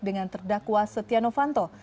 dengan terdakwa setia novanto